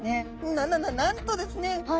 ななななんとですね